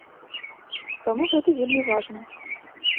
Таму гэта вельмі важна.